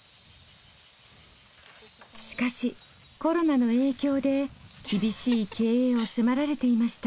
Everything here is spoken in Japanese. しかしコロナの影響で厳しい経営を迫られていました。